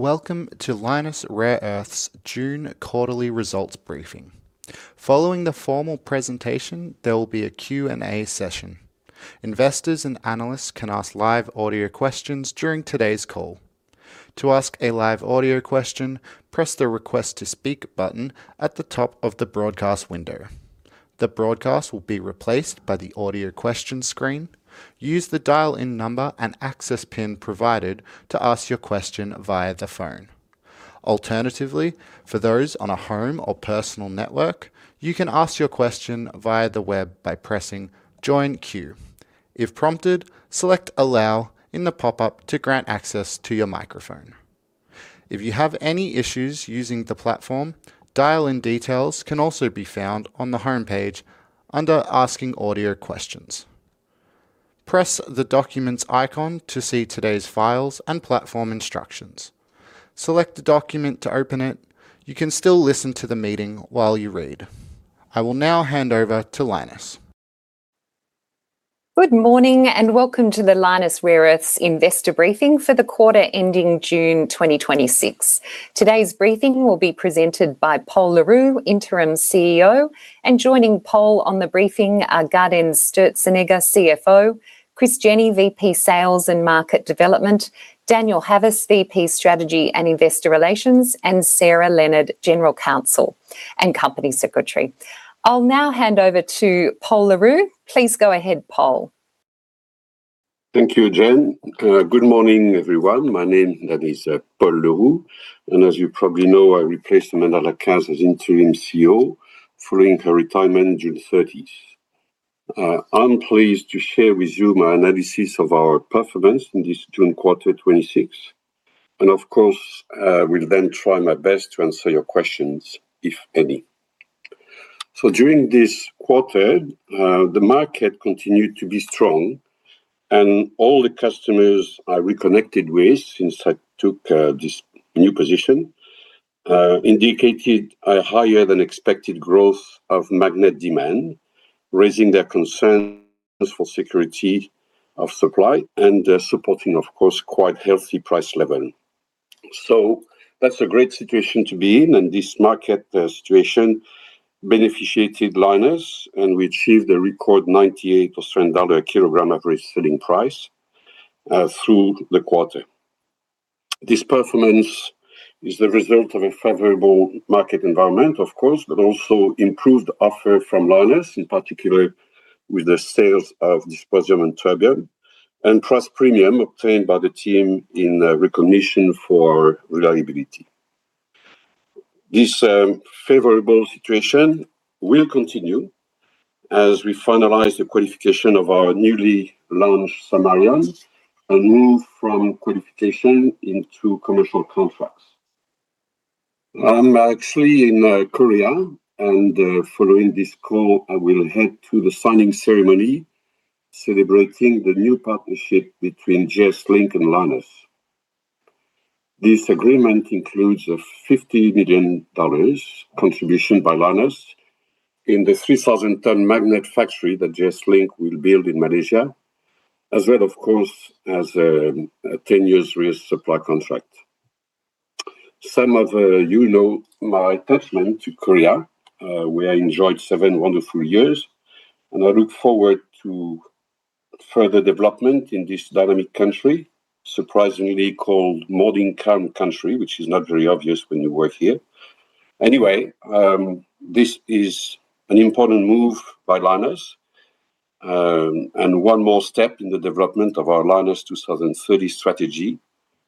Welcome to Lynas Rare Earths June quarterly results briefing. Following the formal presentation, there will be a Q&A session. Investors and analysts can ask live audio questions during today's call. To ask a live audio question, press the Request to Speak button at the top of the broadcast window. The broadcast will be replaced by the Audio Question screen. Use the dial-in number and access PIN provided to ask your question via the phone. Alternatively, for those on a home or personal network, you can ask your question via the web by pressing Join Queue. If prompted, select Allow in the pop-up to grant access to your microphone. If you have any issues using the platform, dial-in details can also be found on the homepage under Asking Audio Questions. Press the Documents icon to see today's files and platform instructions. Select a document to open it. You can still listen to the meeting while you read. I will now hand over to Lynas. Good morning and welcome to the Lynas Rare Earths investor briefing for the quarter ending June 2026. Today's briefing will be presented by Pol Le Roux, Interim CEO, and joining Pol on the briefing are Gaudenz Sturzenegger, CFO, Chris Jenney, VP Sales and Market Development, Daniel Havas, VP Strategy and Investor Relations, and Sarah Leonard, General Counsel and Company Secretary. I'll now hand over to Pol Le Roux. Please go ahead, Pol. Thank you, Jen. Good morning, everyone. My name is Pol Le Roux, and as you probably know, I replaced Amanda Lacaze as Interim CEO following her retirement June 30th. I'm pleased to share with you my analysis of our performance in this June quarter 2026. Of course, I will then try my best to answer your questions, if any. During this quarter, the market continued to be strong, and all the customers I reconnected with since I took this new position indicated a higher than expected growth of magnet demand, raising their concerns for security of supply and supporting, of course, quite healthy price level. That's a great situation to be in, and this market situation benefited Lynas, and we achieved a record 98% of a kilogram average selling price through the quarter. This performance is the result of a favorable market environment, of course, but also improved offer from Lynas, in particular with the sales of dysprosium and terbium, and price premium obtained by the team in recognition for reliability. This favorable situation will continue as we finalize the qualification of our newly launched samarium and move from qualification into commercial contracts. I am actually in Korea, following this call, I will head to the signing ceremony celebrating the new partnership between JS Link and Lynas. This agreement includes a 50 million dollars contribution by Lynas in the 3,000-ton magnet factory that JS Link will build in Malaysia, as well, of course, as a 10-years resource supply contract. Some of you know my attachment to Korea, where I enjoyed seven wonderful years. I look forward to further development in this dynamic country, surprisingly called "moderate-income country," which is not very obvious when you work here. Anyway, this is an important move by Lynas, one more step in the development of our Lynas 2030 strategy,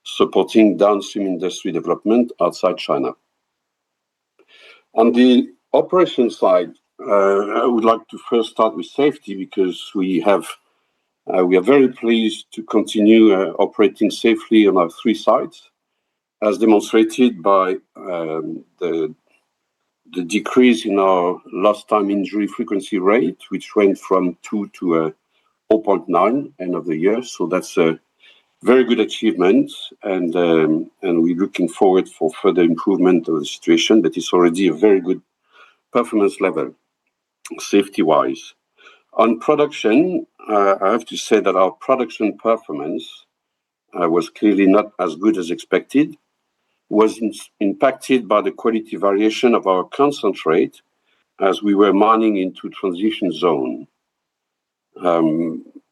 supporting downstream industry development outside China. On the operations side, I would like to first start with safety because we are very pleased to continue operating safely on our three sites, as demonstrated by the decrease in our lost time injury frequency rate, which went from two to a 0.9 end of the year. That's a very good achievement. We are looking forward for further improvement of the situation, but it is already a very good performance level safety-wise. On production, I have to say that our production performance was clearly not as good as expected, was impacted by the quality variation of our concentrate as we were mining into transition zone.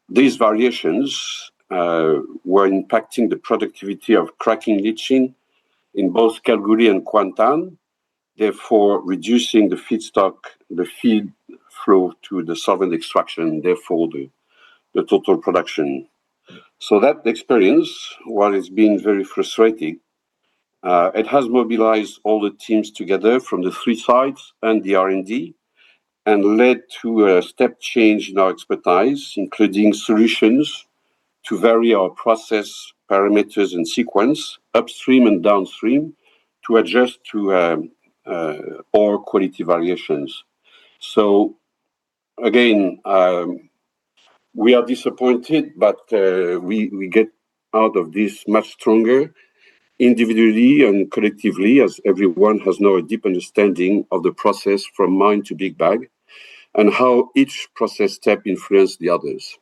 These variations were impacting the productivity of cracking and leaching in both Kalgoorlie and Kuantan, therefore reducing the feedstock, the feed flow to the solvent extraction, therefore the total production. That experience, while it has been very frustrating, it has mobilized all the teams together from the three sites and the R&D and led to a step change in our expertise, including solutions to vary our process parameters and sequence upstream and downstream to adjust to ore quality variations. Again, we are disappointed, but we get out of this much stronger individually and collectively, as everyone has now a deep understanding of the process from mine to big bag and how each process step influence the others.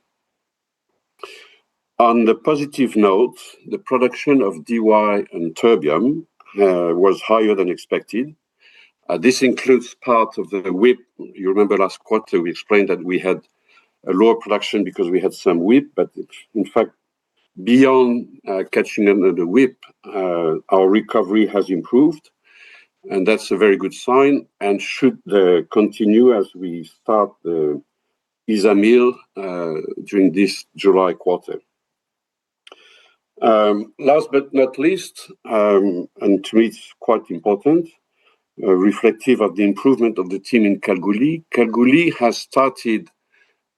On the positive note, the production of Dy and terbium was higher than expected. This includes part of the WIP. You remember last quarter, we explained that we had a lower production because we had some WIP, but in fact, beyond catching under the WIP, our recovery has improved, and that's a very good sign and should continue as we start the IsaMill during this July quarter. Last but not least, to me it is quite important, reflective of the improvement of the team in Kalgoorlie. Kalgoorlie has started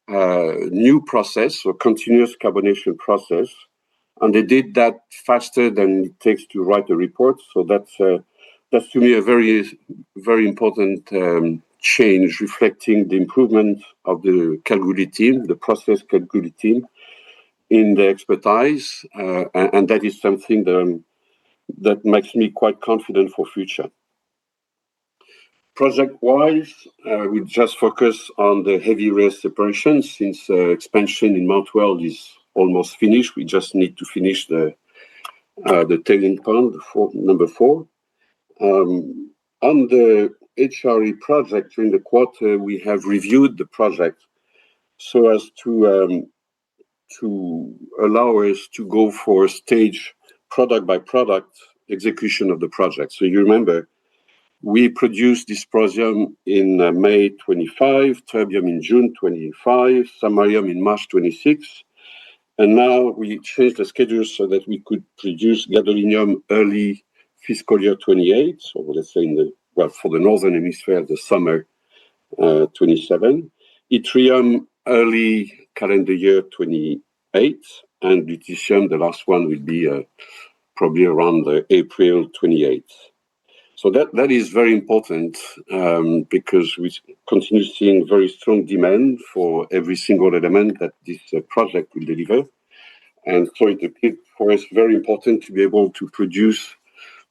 a new process, a continuous precipitation process, and they did that faster than it takes to write a report. That's to me a very important change reflecting the improvement of the Kalgoorlie team, the process Kalgoorlie team in their expertise, and that is something that makes me quite confident for future. Project-wise, we just focus on the heavy rare separations since expansion in Mount Weld is almost finished. We just need to finish the tailing pond number four. On the HRE project during the quarter, we have reviewed the project so as to allow us to go for stage product-by-product execution of the project. You remember, we produced dysprosium in May 2025, terbium in June 2025, samarium in March 2026, now we changed the schedule so that we could produce gadolinium early fiscal year 2028. Let's say, well, for the Northern Hemisphere, the summer 2027. Yttrium, early calendar year 2028, lutetium, the last one will be probably around April 2028. That is very important, because we continue seeing very strong demand for every single element that this project will deliver. It appeared for us very important to be able to produce,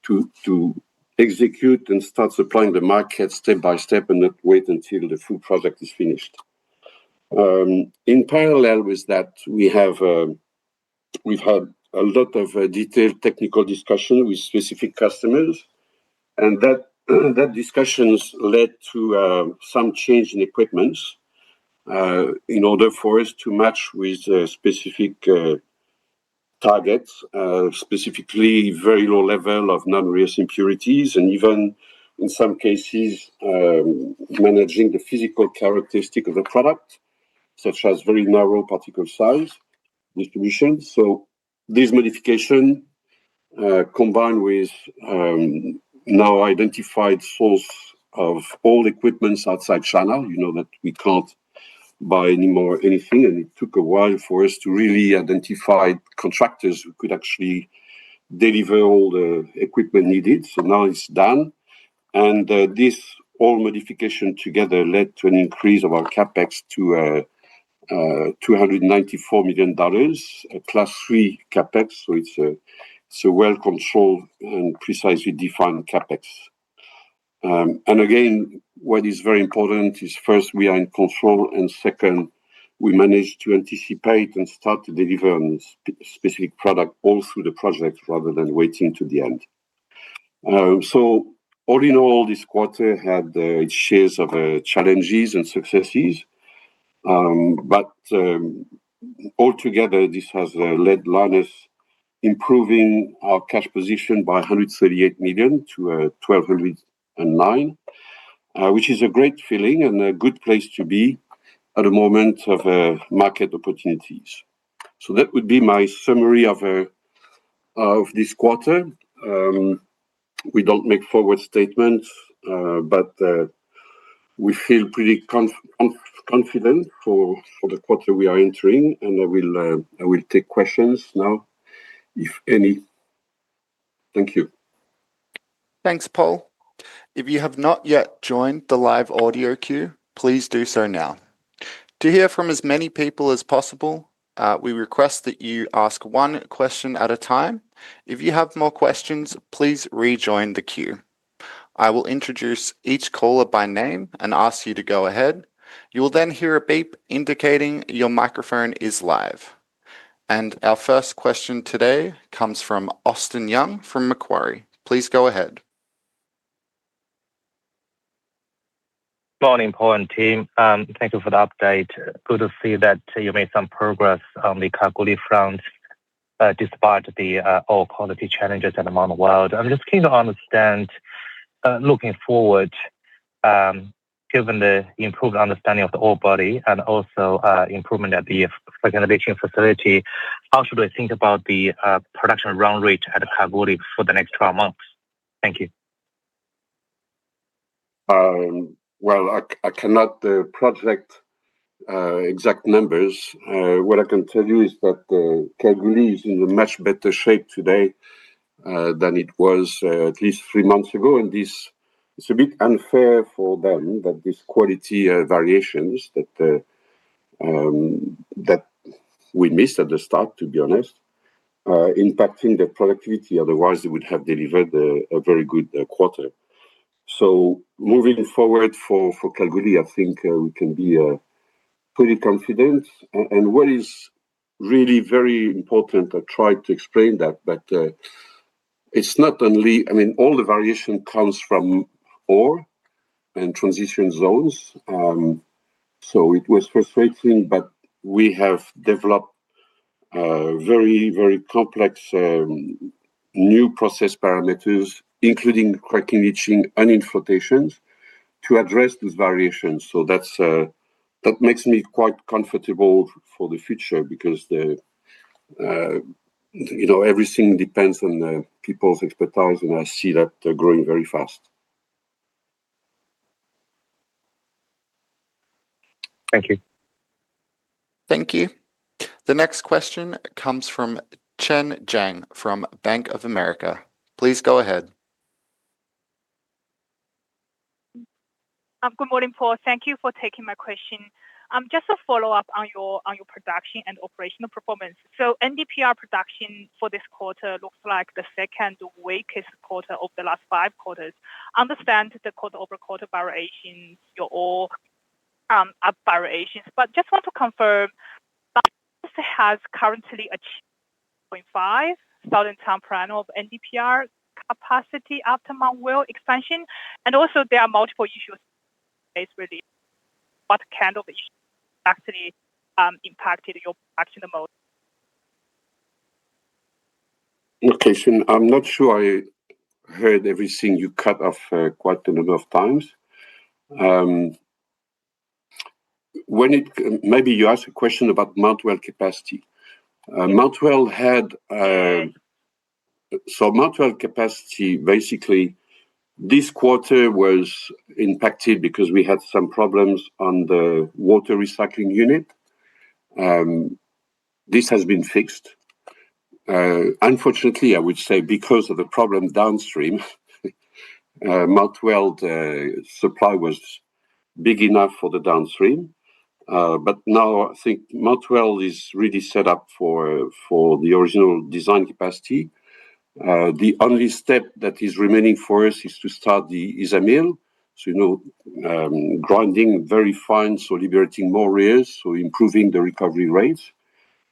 to execute and start supplying the market step by step and not wait until the full project is finished. In parallel with that, we've had a lot of detailed technical discussion with specific customers, that discussions led to some change in equipments in order for us to match with specific targets, specifically very low level of non-risk impurities, even in some cases, managing the physical characteristic of the product, such as very narrow particle size distribution. This modification, combined with now identified source of all equipments outside China, you know that we can't buy anymore anything, it took a while for us to really identify contractors who could actually deliver all the equipment needed. Now it's done, this all modification together led to an increase of our CapEx to 294 million dollars, a Class 3 CapEx, it's a well-controlled and precisely defined CapEx. Again, what is very important is first, we are in control, second, we manage to anticipate and start to deliver on specific product all through the project rather than waiting to the end. All in all, this quarter had its shares of challenges and successes, all together, this has led Lynas improving our cash position by 138 million to 1.209 billion which is a great feeling and a good place to be at a moment of market opportunities. That would be my summary of this quarter. We don't make forward statements, we feel pretty confident for the quarter we are entering, I will take questions now, if any. Thank you. Thanks, Pol. If you have not yet joined the live audio queue, please do so now. To hear from as many people as possible, we request that you ask one question at a time. If you have more questions, please rejoin the queue. I will introduce each caller by name and ask you to go ahead. You will then hear a beep indicating your microphone is live. Our first question today comes from Austin Yun from Macquarie. Please go ahead. Morning, Pol and team. Thank you for the update. Good to see that you made some progress on the Kalgoorlie front despite the ore quality challenges at Mount Weld. I am just keen to understand, looking forward, given the improved understanding of the ore body and also improvement at the flotation facility, how should we think about the production run rate at Kalgoorlie for the next 12 months? Thank you. Well, I cannot project exact numbers. What I can tell you is that Kalgoorlie is in a much better shape today than it was at least three months ago, and it is a bit unfair for them that these quality variations that we missed at the start, to be honest, impacting the productivity, otherwise, it would have delivered a very good quarter. Moving forward for Kalgoorlie, I think we can be pretty confident. What is really very important, I tried to explain that, all the variation comes from ore and transition zones. It was frustrating, but we have developed very complex new process parameters, including cracking, leaching, and in flotation to address these variations. That makes me quite comfortable for the future because everything depends on the people's expertise, and I see that growing very fast. Thank you. Thank you. The next question comes from Chen Jiang from Bank of America. Please go ahead. Good morning, Pol. Thank you for taking my question. Just a follow-up on your production and operational performance. NdPr production for this quarter looks like the second weakest quarter of the last five quarters. Understand the quarter-over-quarter variations, your ore variations. Just want to confirm, has currently achieved12,000 tonnes per annum of NdPr capacity after Mount Weld expansion. Also there are multiple issues what kind of issues actually impacted your production the most? Look, listen, I'm not sure I heard everything. You cut off quite a number of times. Maybe you asked a question about Mount Weld capacity. Mount Weld capacity, basically this quarter was impacted because we had some problems on the water recycling unit. This has been fixed. Unfortunately, I would say because of the problem downstream Mount Weld supply was big enough for the downstream. Now I think Mount Weld is really set up for the original design capacity. The only step that is remaining for us is to start the IsaMill. You know, grinding very fine, liberating more rare earths, improving the recovery rates.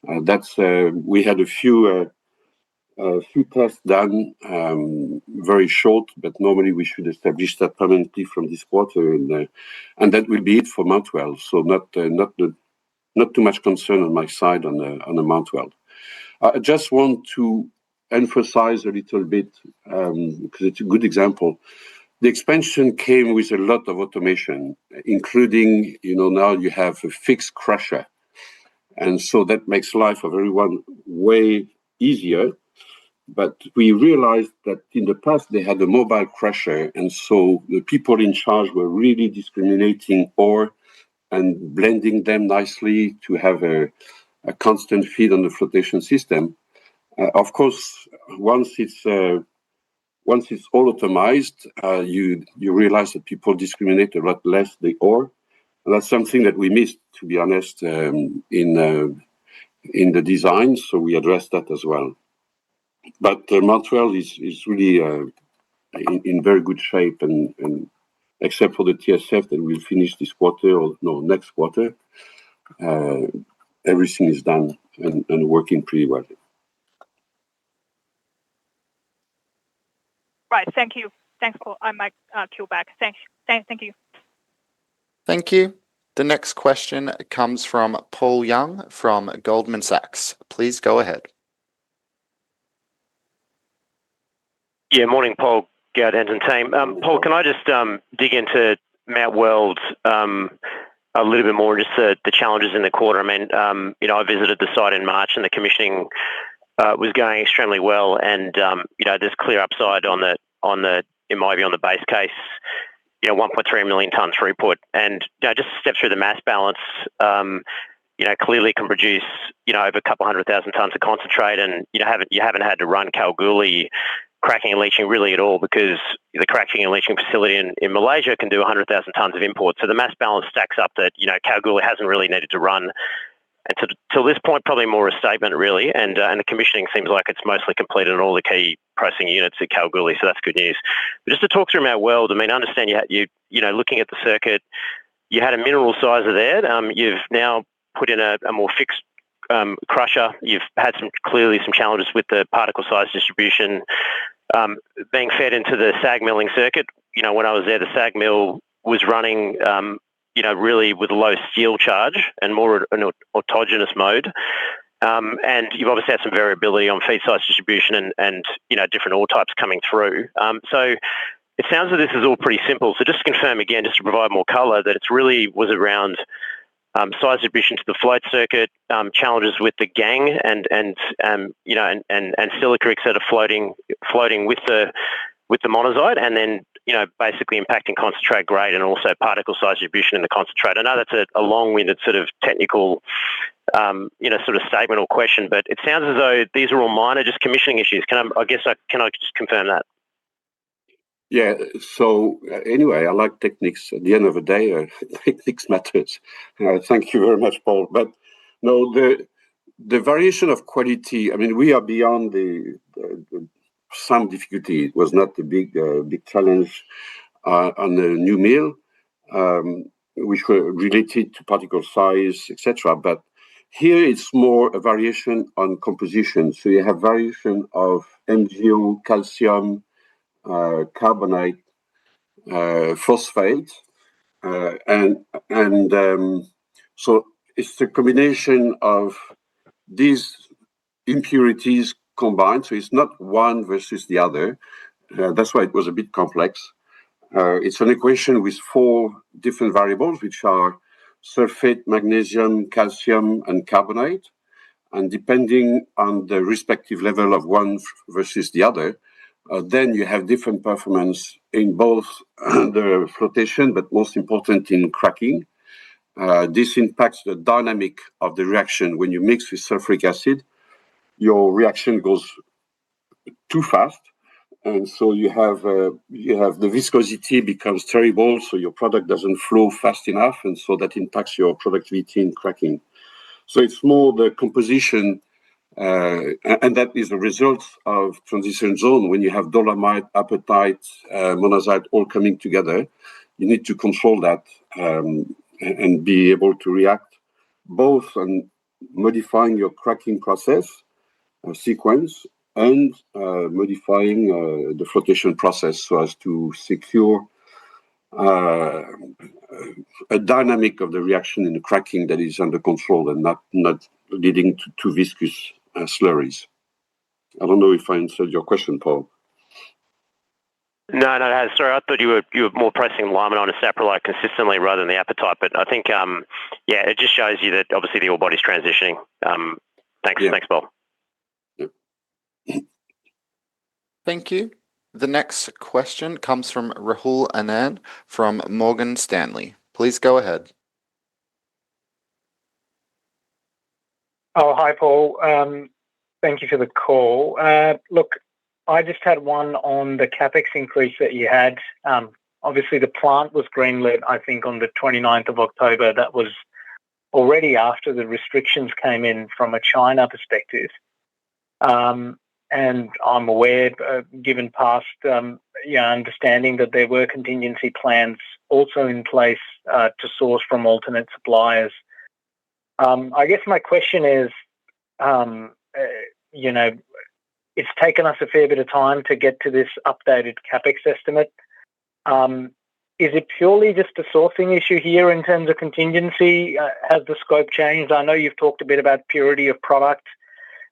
We had a few tests done, very short, but normally we should establish that permanently from this quarter, and that will be it for Mount Weld. Not too much concern on my side on the Mount Weld. I just want to emphasize a little bit, because it's a good example. The expansion came with a lot of automation, including, now you have a fixed crusher. That makes life of everyone way easier. We realized that in the past they had a mobile crusher, so the people in charge were really discriminating ore and blending them nicely to have a constant feed on the flotation system. Of course, once it's all automized, you realize that people discriminate a lot less the ore. That's something that we missed, to be honest, in the design, so we addressed that as well. Mount Weld is really in very good shape, except for the TSF that we'll finish this quarter or no, next quarter. Everything is done and working pretty well. Right. Thank you. Thanks, Pol. I might queue back. Thank you. Thank you. The next question comes from Paul Young from Goldman Sachs. Please go ahead. Yeah, morning, Pol, Gaudenz and team. Paul, can I just dig into Mount Weld a little bit more, just the challenges in the quarter. I visited the site in March and the commissioning was going extremely well, and there's clear upside on the, it might be on the base case, 1.3 million tons throughput. Just to step through the mass balance, clearly can produce over 200,000 tons of concentrate and you haven't had to run Kalgoorlie cracking and leaching really at all because the cracking and leaching facility in Malaysia can do 100,000 tons of imports. The mass balance stacks up that Kalgoorlie hasn't really needed to run until this point, probably more a statement really. The commissioning seems like it's mostly completed on all the key processing units at Kalgoorlie, so that's good news. Just to talk through Mount Weld, I understand, looking at the circuit, you had a mineral sizer there. You've now put in a more fixed crusher. You've had clearly some challenges with the particle size distribution being fed into the SAG milling circuit. When I was there, the SAG mill was running really with low steel charge and more in autogenous mode. You've obviously had some variability on feed size distribution and different ore types coming through. It sounds like this is all pretty simple. Just to confirm again, just to provide more color, that it's really was around size distribution to the float circuit, challenges with the gang and silicates that are floating with the monazite and then basically impacting concentrate grade and also particle size distribution in the concentrate. I know that's a long-winded sort of technical statement or question, it sounds as though these are all minor, just commissioning issues. Can I just confirm that? Yeah. Anyway, I like techniques. At the end of the day, techniques matters. Thank you very much, Paul. No, the variation of quality, we are beyond some difficulty. It was not a big challenge on the new mill, which were related to particle size, et cetera. Here it's more a variation on composition. You have variation of MgO, calcium, carbonate, phosphate. It's the combination of these impurities combined. It's not one versus the other. That's why it was a bit complex. It's an equation with four different variables, which are sulfate, magnesium, calcium, and carbonate. Depending on the respective level of one versus the other, then you have different performance in both the flotation, but most important in cracking. This impacts the dynamic of the reaction. When you mix with sulfuric acid, your reaction goes too fast, and so the viscosity becomes terrible, so your product doesn't flow fast enough, and so that impacts your productivity in cracking. It's more the composition, and that is a result of transition zone. When you have dolomite, apatite, monazite, all coming together, you need to control that, and be able to react both on modifying your cracking process or sequence and modifying the flotation process so as to secure a dynamic of the reaction in the cracking that is under control and not leading to viscous slurries. I don't know if I answered your question, Paul. No, no, it has. Sorry, I thought you were more pressing limonite on a saprolite consistently rather than the apatite. I think, yeah, it just shows you that obviously the ore body's transitioning. Thanks, Pol. Yep. Thank you. The next question comes from Rahul Anand from Morgan Stanley. Please go ahead. Oh, hi, Pol. Thank you for the call. I just had one on the CapEx increase that you had. Obviously, the plant was greenlit, I think, on the 29th of October. That was already after the restrictions came in from a China perspective. I'm aware, given past understanding, that there were contingency plans also in place, to source from alternate suppliers. I guess my question is, it's taken us a fair bit of time to get to this updated CapEx estimate. Is it purely just a sourcing issue here in terms of contingency? Has the scope changed? I know you've talked a bit about purity of product,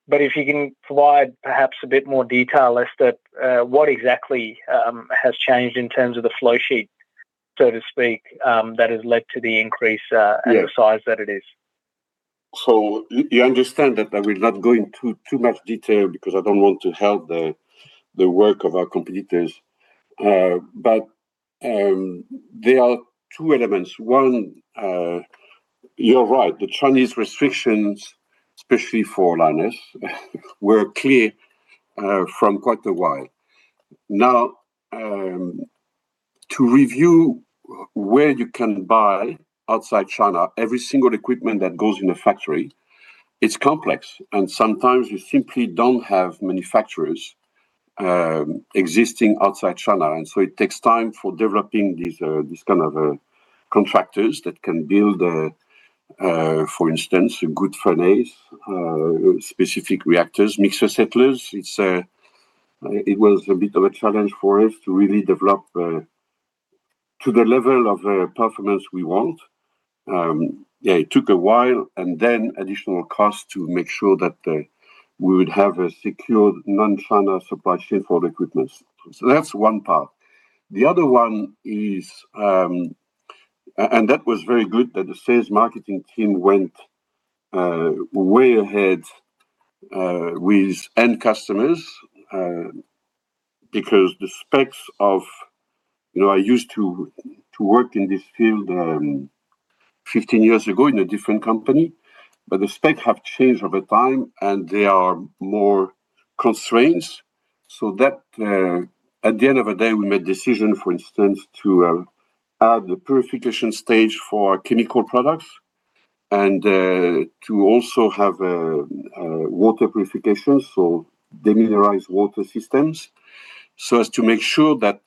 but if you can provide perhaps a bit more detail as to what exactly has changed in terms of the flow sheet, so to speak, that has led to the increase. Yeah. The size that it is. You understand that I will not go into too much detail because I don't want to help the work of our competitors. There are two elements. One, you're right. The Chinese restrictions, especially for Lynas, were clear from quite a while. To review where you can buy outside China every single equipment that goes in a factory, it's complex, and sometimes you simply don't have manufacturers existing outside China, and so it takes time for developing these kind of contractors that can build, for instance, a good furnace, specific reactors, mixer settlers. It was a bit of a challenge for us to really develop to the level of performance we want. Yeah, it took a while, and then additional cost to make sure that we would have a secure non-China supply chain for the equipments. That's one part. The other one is that was very good that the sales marketing team went way ahead with end customers. Because the specs of I used to work in this field 15 years ago in a different company, but the specs have changed over time, and there are more constraints, so that at the end of the day, we made decision, for instance, to add the purification stage for our chemical products and to also have water purification, so demineralized water systems, so as to make sure that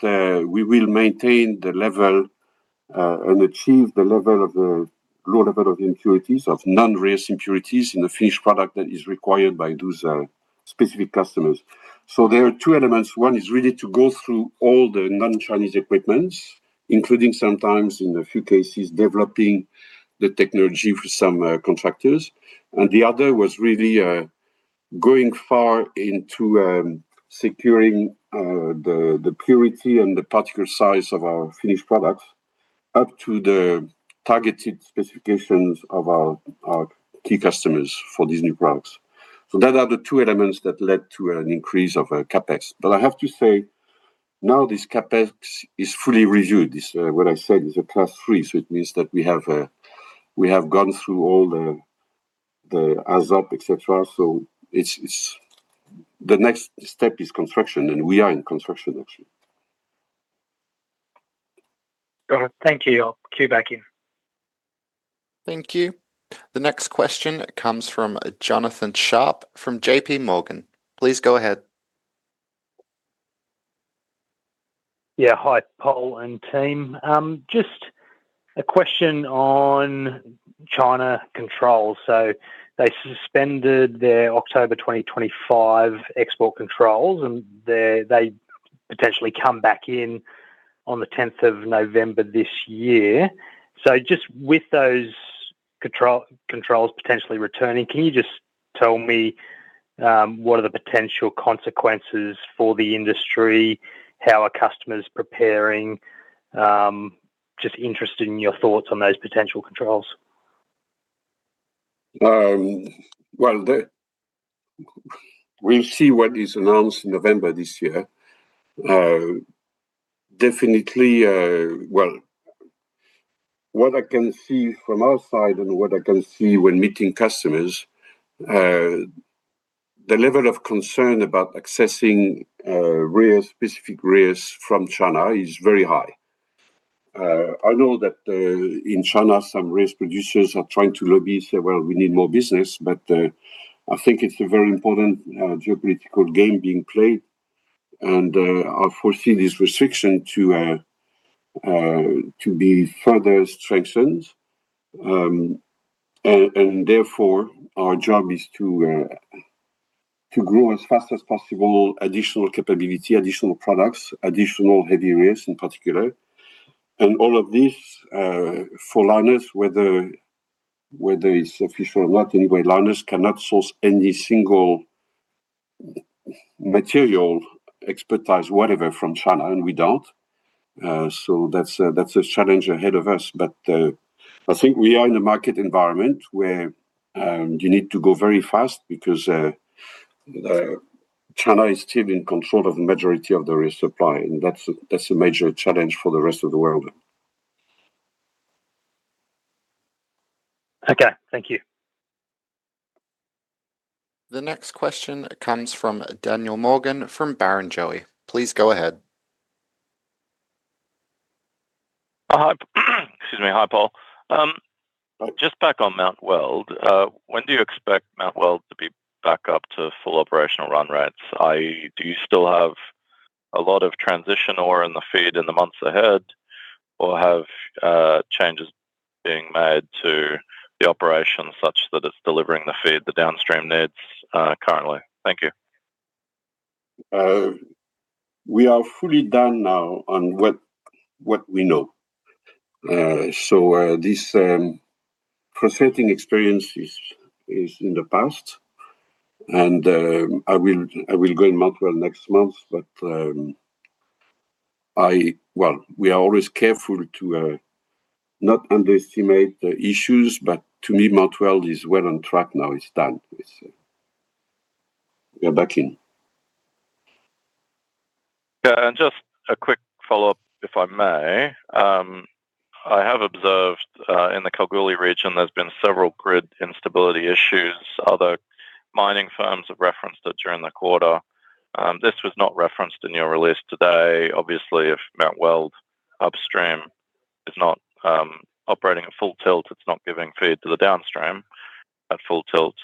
we will maintain the level and achieve the low level of impurities, of non-risk impurities in the finished product that is required by those specific customers. There are two elements. One is really to go through all the non-Chinese equipments, including sometimes, in a few cases, developing the technology for some contractors. The other was really going far into securing the purity and the particle size of our finished products up to the targeted specifications of our key customers for these new products. That are the two elements that led to an increase of our CapEx. I have to say, now this CapEx is fully reviewed. This is what I said is a Class 3, so it means that we have gone through all the AACE, et cetera. The next step is construction, and we are in construction actually. Got it. Thank you. I'll queue back in. Thank you. The next question comes from Jonathan Sharp from JPMorgan. Please go ahead. Yeah. Hi, Pol and team. Just a question on China controls. They suspended their October 2025 export controls, and they potentially come back in on the 10th of November this year. Just with those controls potentially returning, can you just tell me what are the potential consequences for the industry? How are customers preparing? Just interested in your thoughts on those potential controls. Well, we'll see what is announced November this year. Definitely, well, what I can see from our side and what I can see when meeting customers, the level of concern about accessing specific rare earths from China is very high. I know that in China, some rare earths producers are trying to lobby, say, "Well, we need more business," I think it's a very important geopolitical game being played. I foresee this restriction to be further strengthened. Therefore, our job is to grow as fast as possible additional capability, additional products, additional heavy rare earths in particular. All of this, for Lynas, whether it's official or not, anyway, Lynas cannot source any single material expertise, whatever, from China, and we don't. That's a challenge ahead of us. I think we are in a market environment where you need to go very fast because China is still in control of the majority of the rare earth supply, and that's a major challenge for the rest of the world. Okay. Thank you. The next question comes from Daniel Morgan from Barrenjoey. Please go ahead. Excuse me. Hi, Pol. Just back on Mount Weld. When do you expect Mount Weld to be back up to full operational run rates? Do you still have a lot of transition ore in the feed in the months ahead, or have changes been made to the operation such that it's delivering the feed the downstream needs currently? Thank you. We are fully done now on what we know. This frustrating experience is in the past. I will go in Mount Weld next month, well, we are always careful to not underestimate the issues, to me, Mount Weld is well on track now. It's done with. Just a quick follow-up if I may. I have observed in the Kalgoorlie region there's been several grid instability issues. Other mining firms have referenced it during the quarter. This was not referenced in your release today. Obviously, if Mount Weld upstream is not operating at full tilt, it's not giving feed to the downstream at full tilt.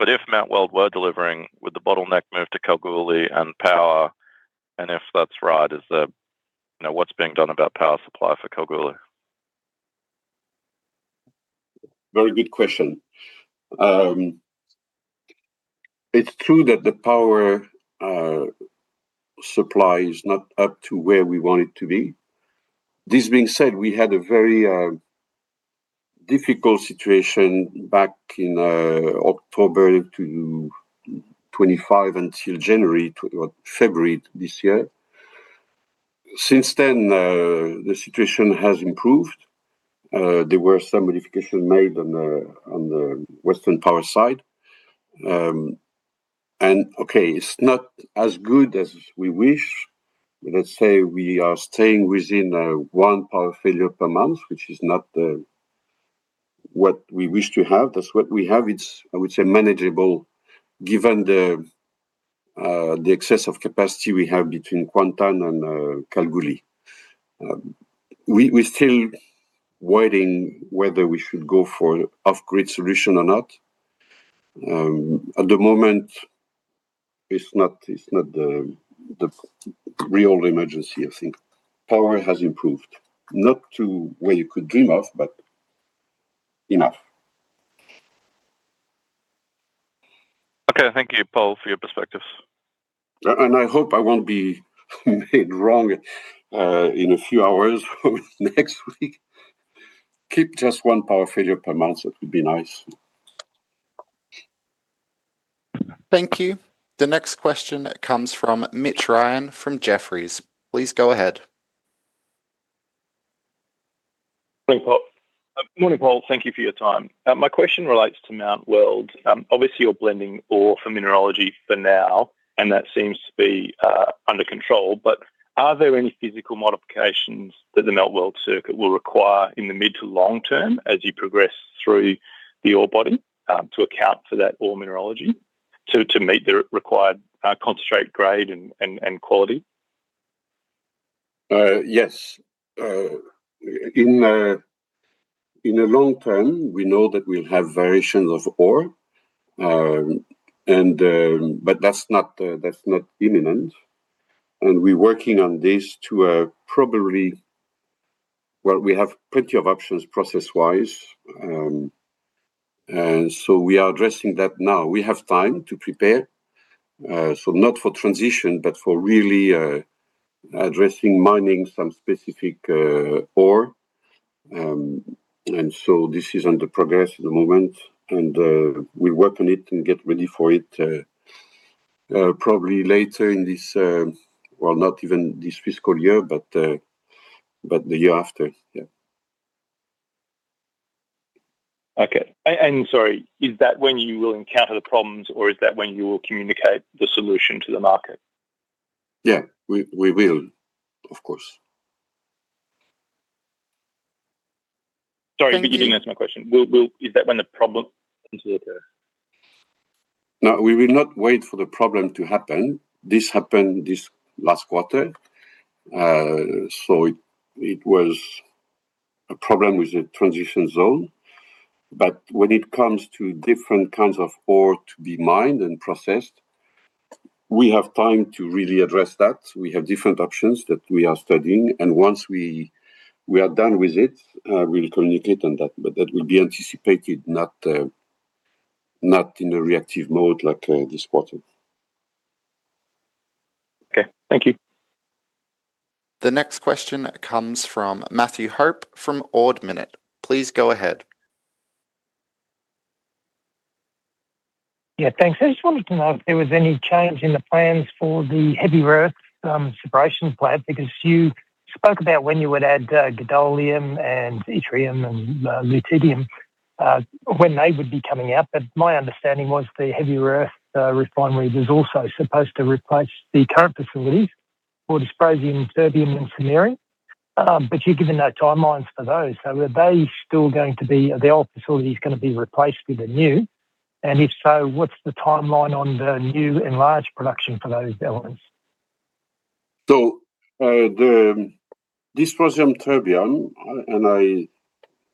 If Mount Weld were delivering, would the bottleneck move to Kalgoorlie and power? If that's right, what's being done about power supply for Kalgoorlie? Very good question. It's true that the power supply is not up to where we want it to be. This being said, we had a very difficult situation back in October to 25 until January or February this year. Since then, the situation has improved. There were some modifications made on the Western Power side. Okay, it's not as good as we wish. Let's say we are staying within one power failure per month, which is not what we wish to have. That's what we have. It's, I would say, manageable given the excess of capacity we have between Kuantan and Kalgoorlie. We're still weighing whether we should go for off-grid solution or not. At the moment, it's not the real emergency, I think. Power has improved. Not to where you could dream of, but enough. Okay. Thank you, Pol, for your perspectives. I hope I won't be made wrong in a few hours or next week. Keep just one power failure per month. That would be nice. Thank you. The next question comes from Mitch Ryan from Jefferies. Please go ahead. Morning, Pol. Thank you for your time. My question relates to Mount Weld. Obviously, you're blending ore for mineralogy for now, that seems to be under control. Are there any physical modifications that the Mount Weld circuit will require in the mid to long term as you progress through the ore body, to account for that ore mineralogy? To meet the required concentrate grade and quality? Yes. In the long term, we know that we'll have variations of ore, but that's not imminent. We're working on this. Well, we have plenty of options process-wise, so we are addressing that now. We have time to prepare. Not for transition, but for really addressing mining some specific ore. This is under progress at the moment, and we work on it and get ready for it, probably later in this, not even this fiscal year, but the year after. Yeah. Okay. Sorry, is that when you will encounter the problems, or is that when you will communicate the solution to the market? Yeah. We will, of course. Sorry, you didn't answer my question. Is that when the problem comes to occur? No, we will not wait for the problem to happen. This happened this last quarter. It was a problem with the transition zone. When it comes to different kinds of ore to be mined and processed, we have time to really address that. We have different options that we are studying, and once we are done with it, we will communicate on that. That will be anticipated, not in a reactive mode like this quarter. Okay. Thank you. The next question comes from Matthew Hope from Ord Minnett. Please go ahead. Yeah. Thanks. I just wanted to know if there was any change in the plans for the heavy rare earths separation plan, because you spoke about when you would add gadolinium and yttrium and lutetium, when they would be coming out, but my understanding was the heavy rare earths refinery was also supposed to replace the current facilities for dysprosium, terbium, and samarium. You have given no timelines for those. Are the old facilities going to be replaced with the new? If so, what is the timeline on the new enlarged production for those elements? The dysprosium terbium, I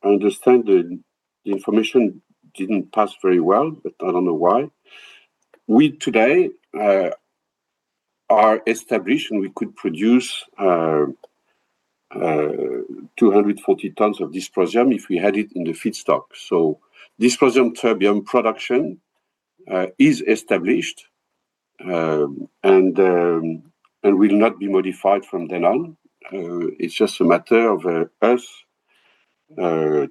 understand the information didn't pass very well, but I don't know why. We today are established, and we could produce 240 tons of dysprosium if we had it in the feedstock. Dysprosium terbium production is established, and will not be modified from then on. It's just a matter of us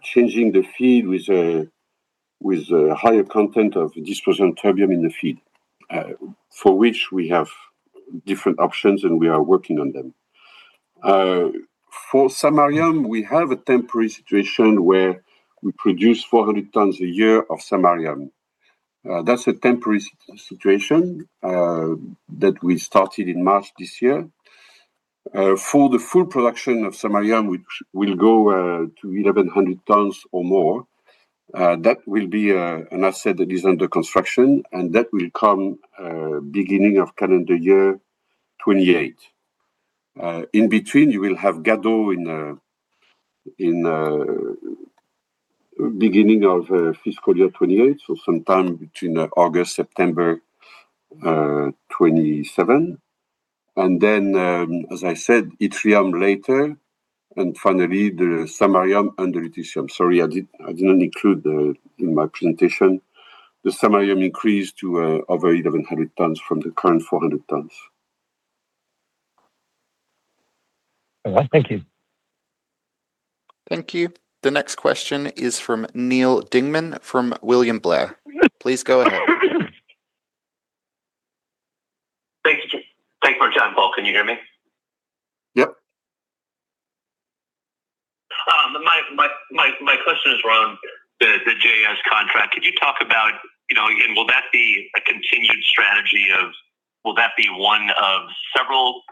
changing the feed with a higher content of dysprosium terbium in the feed, for which we have different options, and we are working on them. For samarium, we have a temporary situation where we produce 400 tons a year of samarium. That's a temporary situation that we started in March this year. For the full production of samarium, which will go to 1,100 tons or more, that will be an asset that is under construction, and that will come beginning of calendar year 2028. In between, you will have gadolinium in beginning of fiscal year 2028, sometime between August, September 2027. As I said, yttrium later, and finally, the samarium and the lutetium. Sorry, I did not include that in my presentation. The samarium increased to over 1,100 tons from the current 400 tons. All right. Thank you. Thank you. The next question is from Neal Dingmann from William Blair. Please go ahead. Thanks for your time, Pol. Can you hear me? Yep. My question is around the JS contract. Could you talk about, again, will that be a continued strategy of, will that be one of several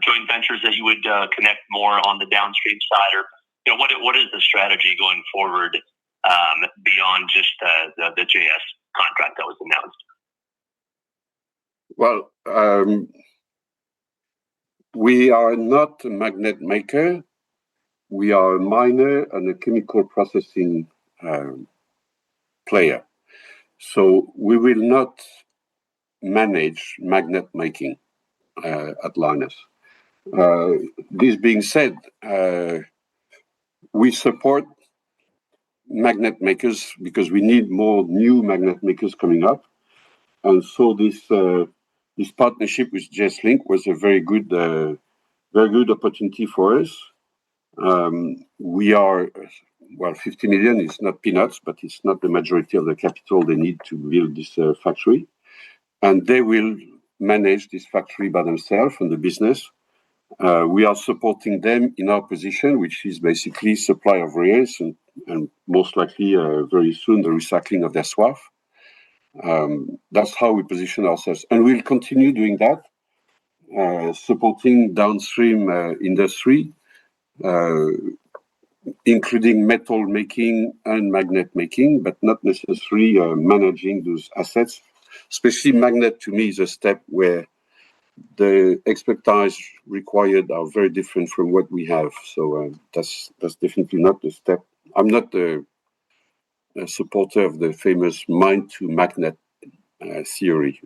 joint ventures that you would connect more on the downstream side? What is the strategy going forward, beyond just the JS contract that was announced? Well, we are not a magnet maker. We are a miner and a chemical processing player. We will not manage magnet making at Lynas. This being said, we support magnet makers because we need more new magnet makers coming up. This partnership with JS Link was a very good opportunity for us. We are. Well, 50 million is not peanuts, but it is not the majority of the capital they need to build this factory, and they will manage this factory by themselves and the business. We are supporting them in our position, which is basically supply of rare earths and most likely, very soon, the recycling of their swarf. That's how we position ourselves, and we will continue doing that. Supporting downstream industry, including metal making and magnet making, but not necessarily managing those assets. Especially magnet, to me, is a step where the expertise required are very different from what we have. That's definitely not the step. I'm not a supporter of the famous mine-to-magnet theory.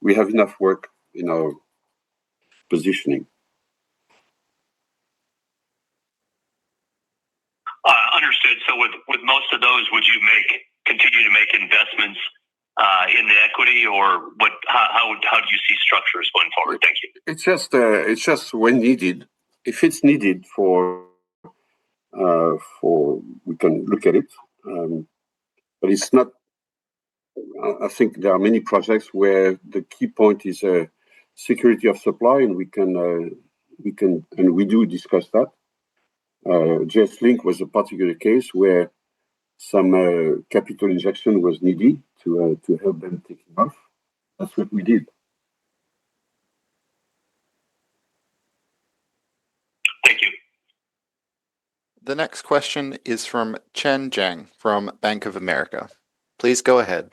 We have enough work in our positioning. Understood. With most of those, would you continue to make investments in the equity, or how do you see structures going forward? Thank you. It's just when needed. If it's needed, we can look at it. I think there are many projects where the key point is security of supply, and we do discuss that. JS Link was a particular case where some capital injection was needed to help them take it off. That's what we did. Thank you. The next question is from Chen Jiang from Bank of America. Please go ahead.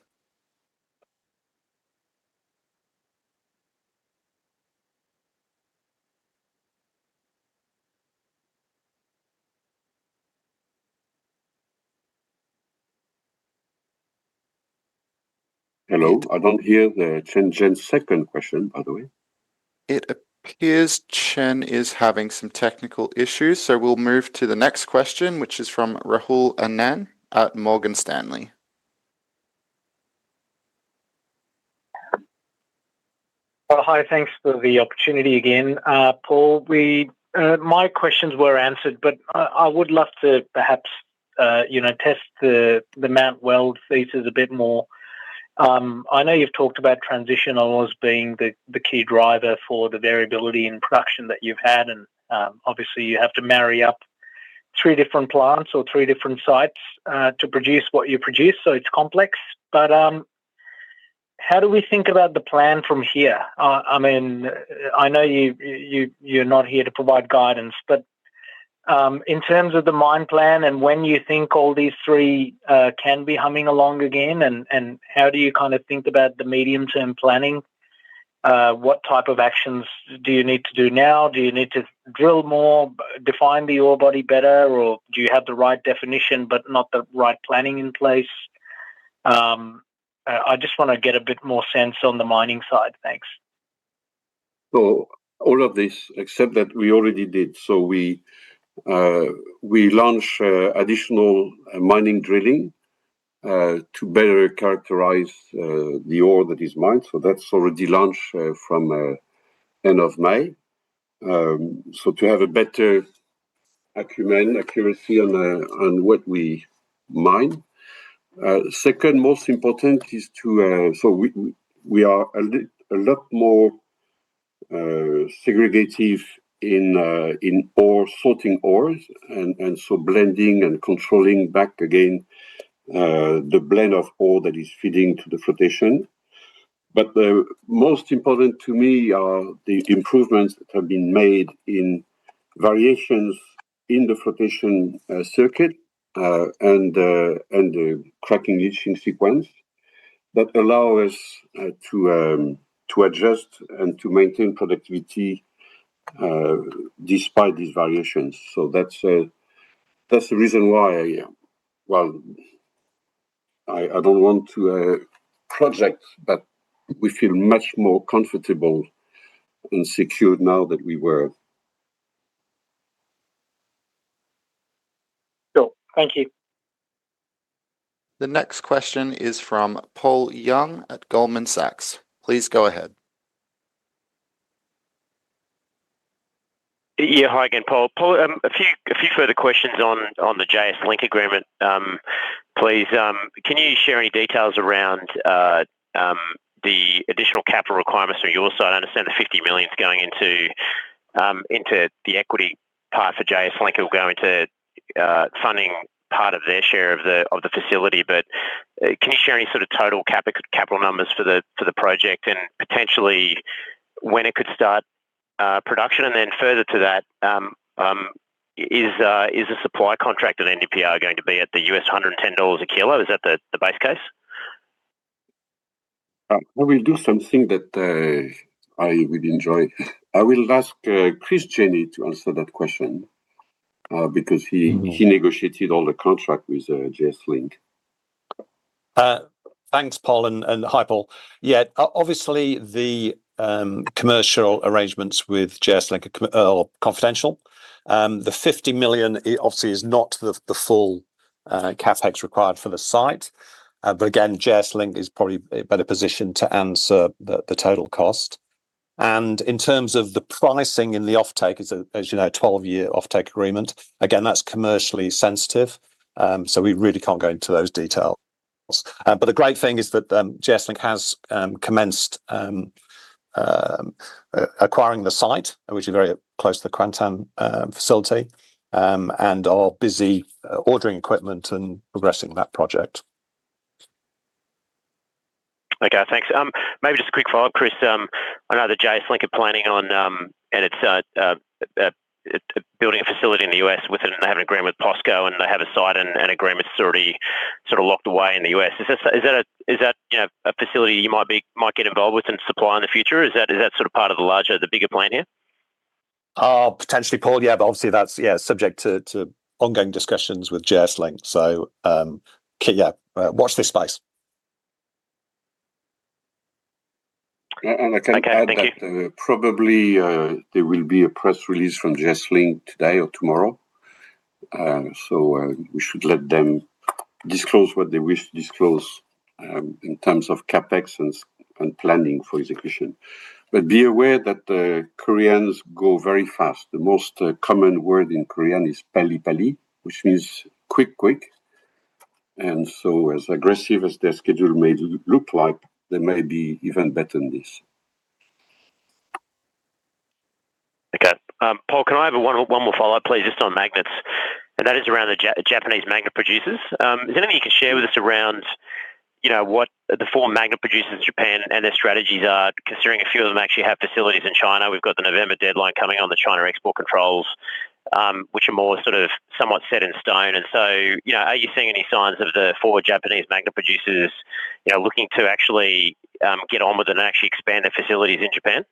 Hello. I do not hear Chen Jiang's second question, by the way. It appears Chen is having some technical issues, so we will move to the next question, which is from Rahul Anand at Morgan Stanley. Hi. Thanks for the opportunity again. Pol, my questions were answered, but I would love to perhaps test the Mount Weld thesis a bit more. I know you have talked about transitionals being the key driver for the variability in production that you have had, and obviously you have to marry up three different plants or three different sites to produce what you produce, so it is complex. How do we think about the plan from here? I know you are not here to provide guidance, but in terms of the mine plan and when you think all these three can be humming along again, and how do you think about the medium-term planning? What type of actions do you need to do now? Do you need to drill more, define the ore body better, or do you have the right definition but not the right planning in place? I just want to get a bit more sense on the mining side. Thanks. All of this, except that we already did. We launch additional mining drilling to better characterize the ore that is mined. That's already launched from end of May. To have a better accuracy on what we mine. Second most important is to. We are a lot more segregative in ore sorting ores, blending and controlling back again the blend of ore that is feeding to the flotation. The most important to me are the improvements that have been made in variations in the flotation circuit and the cracking and leaching sequence that allow us to adjust and to maintain productivity despite these variations. That's the reason why. Well, I don't want to project, but we feel much more comfortable and secured now than we were. Sure. Thank you. The next question is from Paul Young at Goldman Sachs. Please go ahead. Hi again, Pol. Pol, a few further questions on the JS Link agreement, please. Can you share any details around the additional CapEx requirements from your side? I understand the 50 million is going into the equity part for JS Link. It will go into funding part of their share of the facility. Can you share any sort of total capital numbers for the project and potentially when it could start production? Further to that, is the supply contract at NdPr going to be at the 110 dollars a kilo? Is that the base case? We will do something that I will enjoy. I will ask Chris Jenney to answer that question, because he negotiated all the contract with JS Link. Thanks, Pol. And hi, Paul. Obviously, the commercial arrangements with JS Link are confidential. The 50 million obviously is not the full CapEx required for the site. Again, JS Link is probably better positioned to answer the total cost. In terms of the pricing and the offtake, as you know, 12-year offtake agreement, again, that's commercially sensitive, so we really can't go into those details. The great thing is that JS Link has commenced acquiring the site, which is very close to the Kuantan facility, and are busy ordering equipment and progressing that project. Okay. Thanks. Maybe just a quick follow up Chris. I know that JS Link are planning on building a facility in the U.S. and they have an agreement with POSCO, and they have a site and agreement that's already sort of locked away in the U.S. Is that a facility you might get involved with and supply in the future? Is that part of the bigger plan here? Potentially, Paul. Yeah. Obviously that's subject to ongoing discussions with JS Link. Watch this space. I can add. Okay. Thank you. Probably there will be a press release from JS Link today or tomorrow. We should let them disclose what they wish to disclose, in terms of CapEx and planning for execution. Be aware that the Koreans go very fast. The most common word in Korean is "ppalli-ppalli" which means quick. As aggressive as their schedule may look like, they may be even better than this. Okay. Pol, can I have one more follow-up, please? Just on magnets, that is around the Japanese magnet producers. Is there anything you can share with us around what the four magnet producers in Japan and their strategies are, considering a few of them actually have facilities in China? We've got the November deadline coming on the China export controls, which are more somewhat set in stone. Are you seeing any signs of the four Japanese magnet producers looking to actually get on with it and actually expand their facilities in Japan?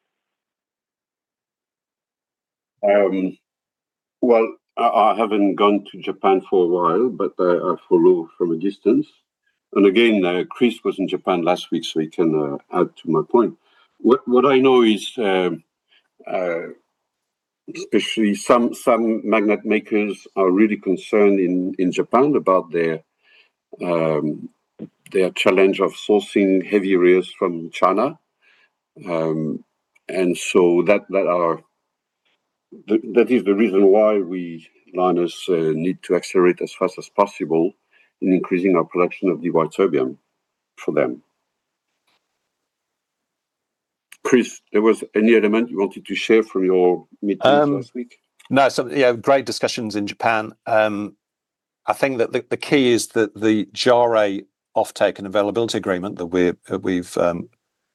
Well, I haven't gone to Japan for a while, but I follow from a distance. Again, Chris was in Japan last week, so he can add to my point. What I know is, especially some magnet makers are really concerned in Japan about their challenge of sourcing heavy rare earths from China. That is the reason why we, Lynas, need to accelerate as fast as possible in increasing our production of the Dy, terbium for them. Chris, there was any element you wanted to share from your meetings last week? No. Yeah, great discussions in Japan. I think that the key is that the JARE offtake and availability agreement that we've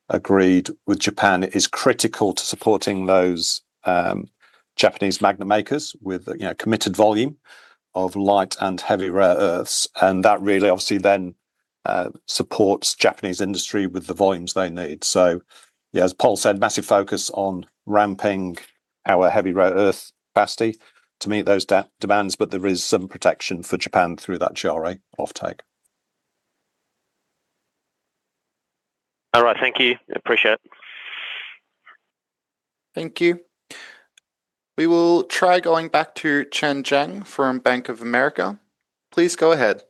agreed with Japan is critical to supporting those Japanese magnet makers with committed volume of light and heavy rare earths. That really, obviously then supports Japanese industry with the volumes they need. Yeah, as Pol said, massive focus on ramping our heavy rare earth capacity to meet those demands. There is some protection for Japan through that JARE offtake. All right. Thank you. Appreciate it. Thank you. We will try going back to Chen Jiang from Bank of America. Please go ahead.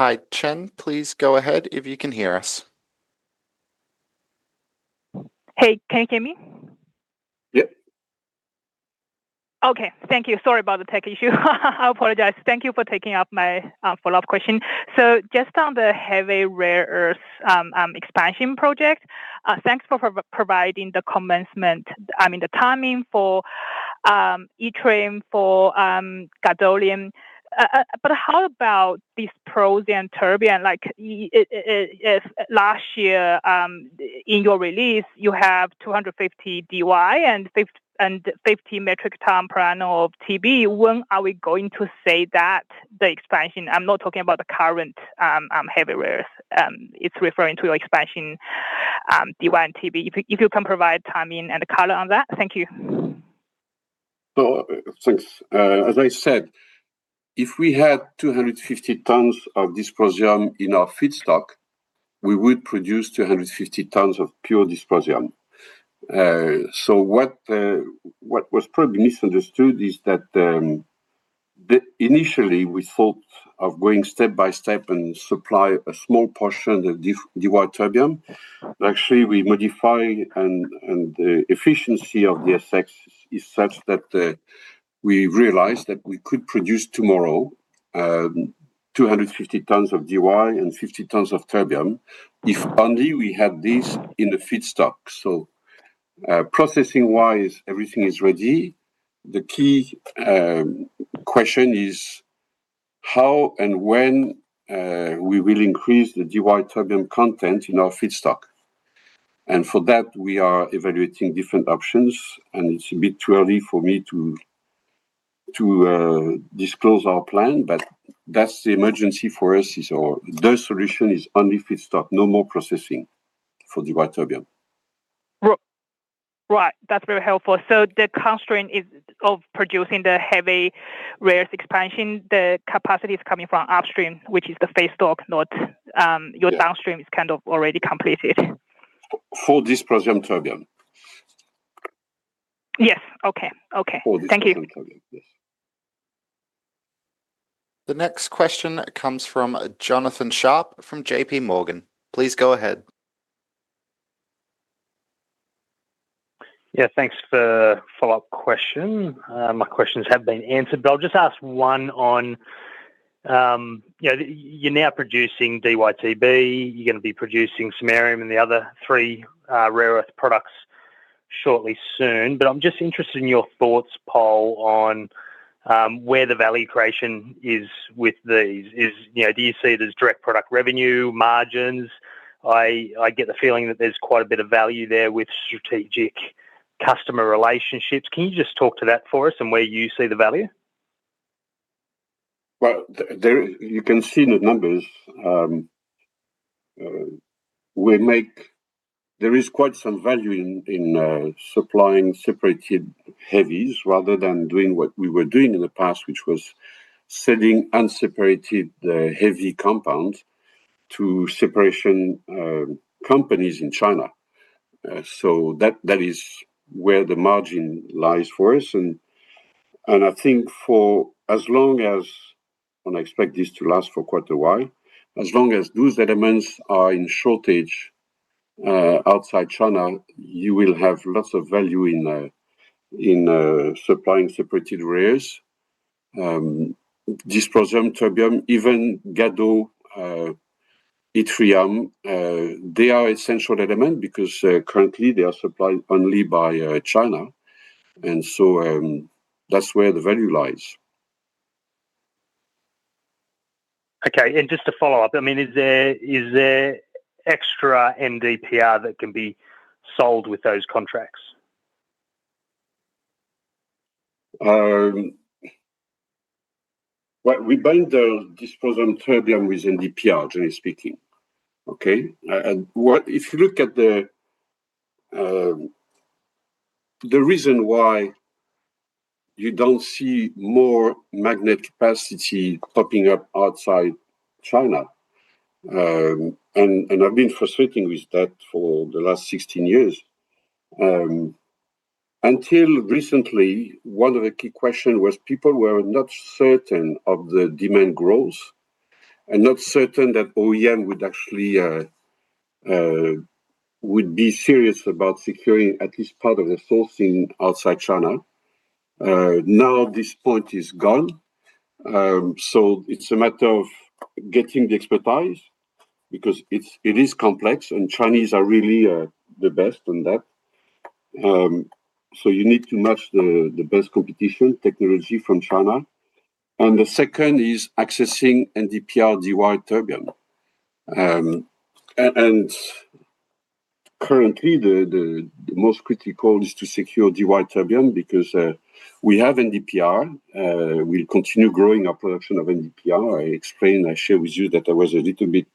Hi, Chen, please go ahead if you can hear us. Hey, can you hear me? Yep. Okay. Thank you. Sorry about the tech issue. I apologize. Thank you for taking up my follow-up question. Just on the heavy rare earth expansion project, thanks for providing the commencement, I mean, the timing for yttrium, for gadolinium. How about dysprosium and terbium? Like, last year, in your release, you have 250 Dy and 50 metric tons per annum of Tb. When are we going to see that, the expansion? I'm not talking about the current heavy rare earths. It's referring to your expansion Dy and Tb. If you can provide timing and color on that. Thank you. Thanks. As I said, if we had 250 tons of dysprosium in our feedstock, we would produce 250 tons of pure dysprosium. What was probably misunderstood is that, initially we thought of going step by step and supply a small portion of the Dy, terbium. Actually, we modified and the efficiency of the effects is such that we realized that we could produce tomorrow 250 tons of Dy and 50 tons of terbium if only we had this in the feedstock. Processing-wise, everything is ready. The key question is how and when we will increase the Dy, terbium content in our feedstock. For that, we are evaluating different options, and it's a bit too early for me to disclose our plan, but that's the emergency for us is our The solution is only feedstock, no more processing for Dy, terbium. Right. That's very helpful. The constraint is of producing the heavy rare earths expansion, the capacity is coming from upstream, which is the feedstock, not your downstream. Yeah. Is kind of already completed. For dysprosium terbium. Yes. Okay. Thank you. For dysprosium terbium. Yes. The next question comes from Jonathan Sharp from JPMorgan. Please go ahead. Yeah. Thanks for follow-up question. My questions have been answered, but I'll just ask one on You're now producing Dy, Tb, you're going to be producing samarium and the other three rare earth products shortly soon. I'm just interested in your thoughts, Pol, on where the value creation is with these. Do you see there's direct product revenue, margins? I get the feeling that there's quite a bit of value there with strategic customer relationships. Can you just talk to that for us and where you see the value? Well, you can see in the numbers, there is quite some value in supplying separated heavies rather than doing what we were doing in the past, which was selling unseparated heavy compounds to separation companies in China. That is where the margin lies for us, and I think for as long as, and I expect this to last for quite a while, as long as those elements are in shortage outside China, you will have lots of value in supplying separated rares. Dysprosium, terbium, even gado, yttrium, they are essential element because currently they are supplied only by China. That's where the value lies. Okay, just to follow up, is there extra NdPr that can be sold with those contracts? Well, we bind the dysprosium, terbium with NdPr, generally speaking. Okay. If you look at the reason why you don't see more magnet capacity popping up outside China, I've been frustrating with that for the last 16 years. Until recently, one of the key question was people were not certain of the demand growth and not certain that OEM would be serious about securing at least part of the sourcing outside China. Now this point is gone. It's a matter of getting the expertise, because it is complex, Chinese are really the best in that. You need to match the best competition technology from China. The second is accessing NdPr, Dy, terbium. Currently the most critical is to secure Dy, terbium because we have NdPr. We continue growing our production of NdPr. I explained, I share with you that I was a little bit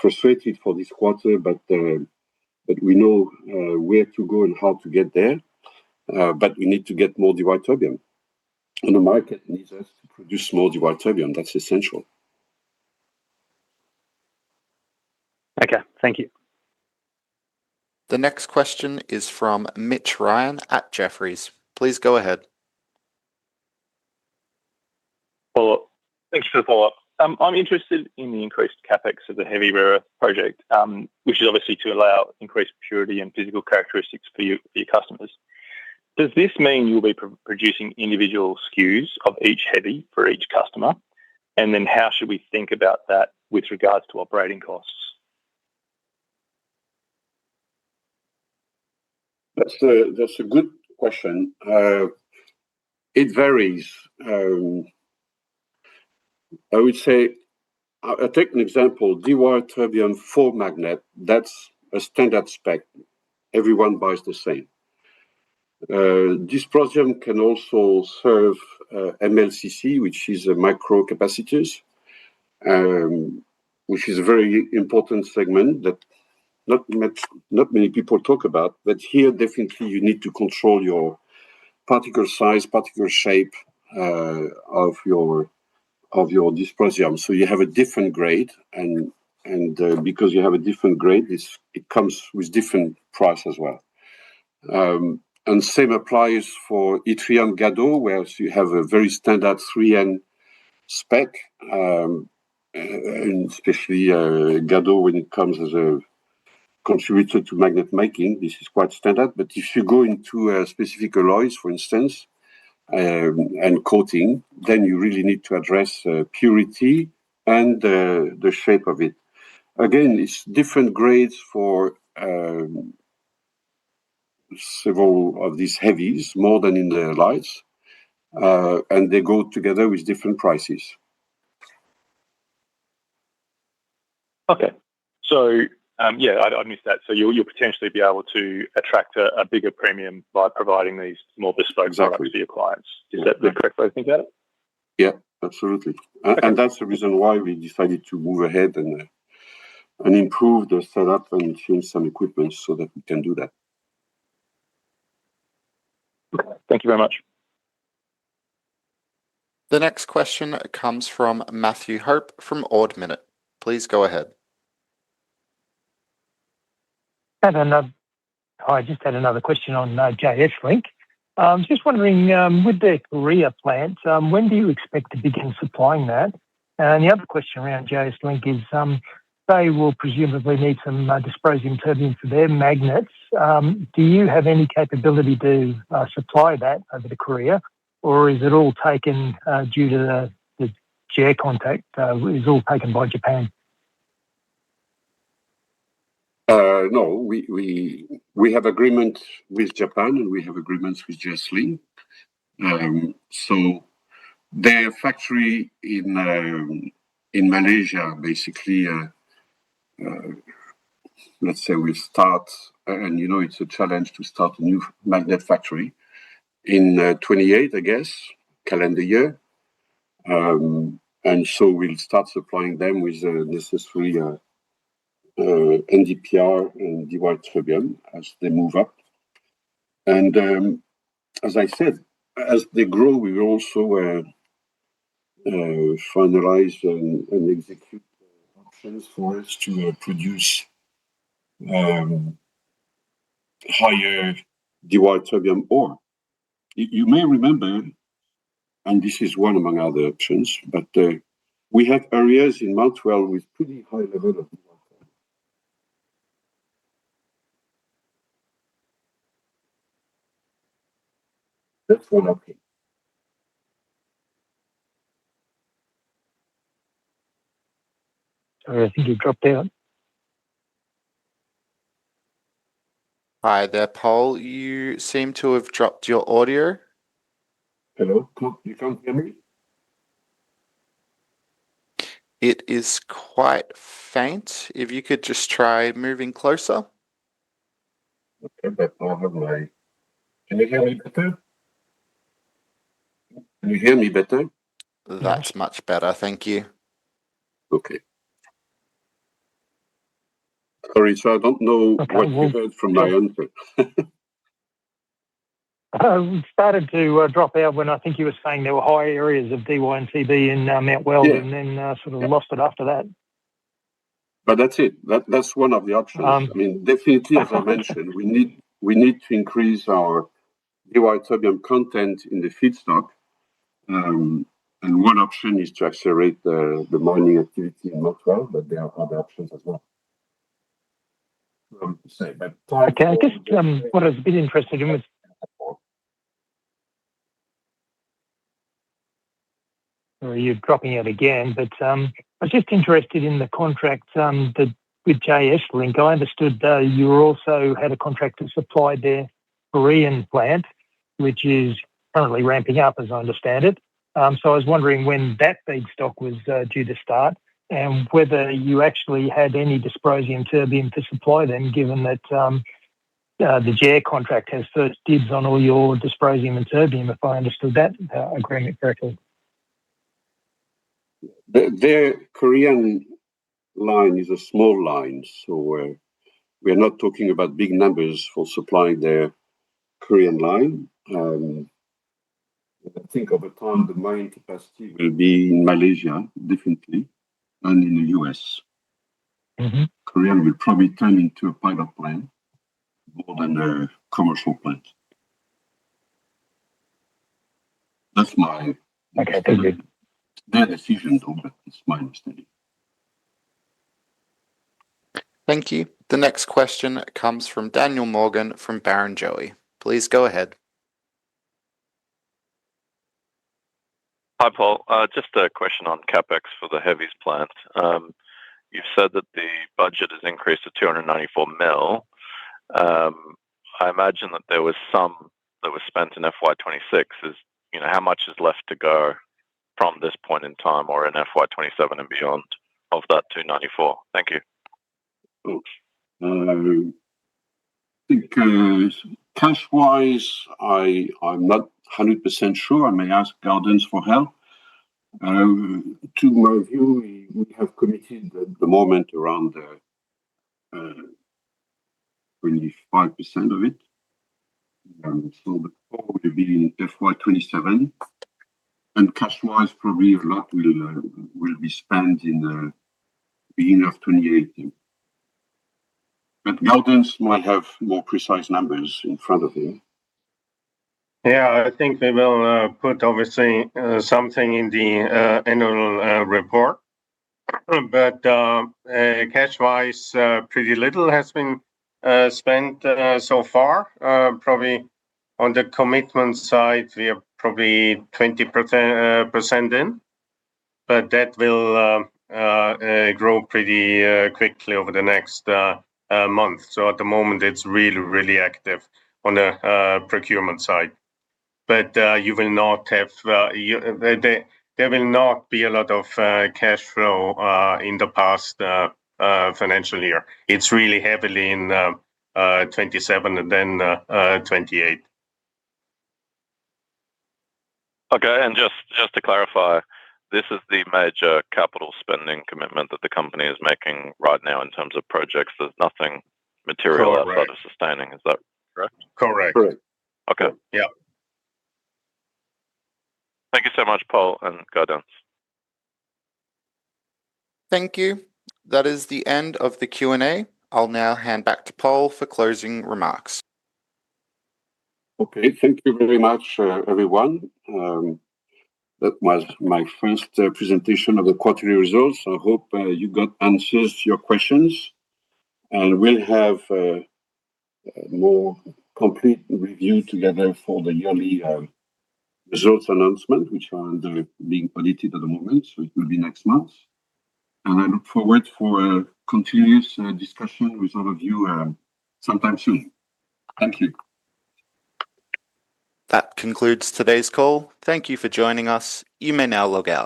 frustrated for this quarter, we know where to go and how to get there. We need to get more Dy, terbium, the market needs us to produce more Dy, terbium. That's essential. Okay. Thank you. The next question is from Mitch Ryan at Jefferies. Please go ahead. Hello. Thanks for the follow-up. I'm interested in the increased CapEx of the heavy rare earth project, which is obviously to allow increased purity and physical characteristics for your customers. Does this mean you'll be producing individual SKUs of each heavy for each customer? How should we think about that with regards to operating costs? That's a good question. It varies. I would say, take an example, Dy, terbium for magnet, that's a standard spec. Everyone buys the same. Dysprosium can also serve MLCC, which is a micro capacitors, which is a very important segment that not many people talk about. Here, definitely you need to control your particle size, particle shape of your dysprosium. You have a different grade, because you have a different grade, it comes with different price as well. Same applies for yttrium, gadol where you have a very standard 3N spec, especially gadol when it comes as a contributor to magnet making, this is quite standard. If you go into a specific alloys, for instance, and coating, then you really need to address purity and the shape of it. Again, it's different grades for several of these heavies, more than in the lights, and they go together with different prices. Okay. Yeah, I missed that. You'll potentially be able to attract a bigger premium by providing these more bespoke. Exactly. Products to your clients. Is that the correct way to think about it? Yeah, absolutely. Okay. That's the reason why we decided to move ahead and improve the setup and install some equipments so that we can do that. Okay. Thank you very much. The next question comes from Matthew Hope from Ord Minnett. Please go ahead. I just had another question on JS Link. Just wondering, with their Korea plant, when do you expect to begin supplying that? The other question around JS Link is, They will presumably need some dysprosium terbium for their magnets. Do you have any capability to supply that over to Korea or is it all taken due to the JARE contract, is all taken by Japan? No. We have agreement with Japan and we have agreements with JS Link. Their factory in Malaysia, basically, let's say will start, it's a challenge to start a new magnet factory, in 2028, I guess, calendar year. We'll start supplying them with the necessary NdPr and dysprosium terbium as they move up. As I said, as they grow, we will also finalize and execute options for us to produce higher Dy, terbium ore. You may remember, and this is one among other options, but we have areas in Mount Weld with pretty high level of dysprosium. That's one option. Sorry, I think you dropped out. Hi there, Pol, you seem to have dropped your audio. Hello. You can't hear me? It is quite faint. If you could just try moving closer. Can you hear me better now? That's much better. Thank you. Sorry, I don't know what you heard from my end. It started to drop out when I think you were saying there were high areas of Dy and Tb in Mount Weld. Yes. Sort of lost it after that. That's it. That's one of the options. I mean, definitely, as I mentioned, we need to increase our Dy, terbium content in the feedstock. One option is to accelerate the mining activity in Mount Weld, there are other options as well. Same. Okay. I guess what I was a bit interested in was Oh, you're dropping out again. I was just interested in the contract with JS Link. I understood that you also had a contract to supply their Korean plant, which is currently ramping up, as I understand it. I was wondering when that feedstock was due to start, and whether you actually had any dysprosium, terbium to supply then given that the JS Link contract has first dibs on all your dysprosium and terbium, if I understood that agreement correctly. Their Korean line is a small line, we're not talking about big numbers for supplying their Korean line. I think over time the mining capacity will be in Malaysia definitely, and in the U.S. Korea will probably turn into a pilot plant more than a commercial plant. That's my. Okay. Thank you Feeling. Their decision, too, it's my understanding. Thank you. The next question comes from Daniel Morgan from Barrenjoey. Please go ahead. Hi, Pol. Just a question on CapEx for the heavies plant. You've said that the budget has increased to 294 million. I imagine that there was some that was spent in FY 2026. How much is left to go from this point in time or in FY 2027 and beyond of that 294 million? Thank you. Oops. I think cash-wise, I'm not 100% sure. I may ask Gaudenz for help. To my view, we have committed at the moment around 25% of it. The forward will be in FY 2027. Cash-wise, probably a lot will be spent in the beginning of 2028. Gaudenz might have more precise numbers in front of him. Yeah, I think they will put obviously something in the annual report. Cash-wise, pretty little has been spent so far. Probably on the commitment side, we are probably 20% in. That will grow pretty quickly over the next month. At the moment it's really, really active on the procurement side. There will not be a lot of cash flow in the past financial year. It's really heavily in 2027 and then 2028. Okay. Just to clarify, this is the major capital spending commitment that the company is making right now in terms of projects. There's nothing material. Correct. Outside of sustaining. Is that correct? Correct. Correct. Okay. Yeah. Thank you so much, Pol and Gaudenz. Thank you. That is the end of the Q&A. I'll now hand back to Pol for closing remarks. Okay. Thank you very much, everyone. That was my first presentation of the quarterly results. I hope you got answers to your questions. We'll have a more complete review together for the yearly results announcement, which are being audited at the moment. It will be next month. I look forward for a continuous discussion with all of you sometime soon. Thank you. That concludes today's call. Thank you for joining us. You may now log out.